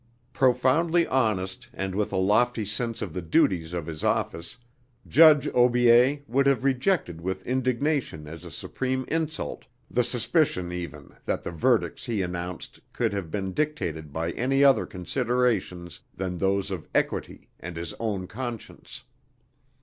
Profoundly honest and with a lofty sense of the duties of his office, Judge Aubier would have rejected with indignation as a supreme insult the suspicion even that the verdicts he announced could have been dictated by any other considerations than those of equity and his own conscience.